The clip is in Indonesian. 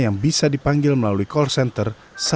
yang bisa dipanggil melalui call center satu ratus tiga belas